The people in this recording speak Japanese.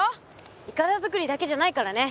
いかだ作りだけじゃないからね。